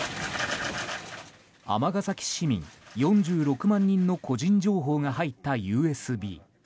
尼崎市民４６万人の個人情報が入ったＵＳＢ。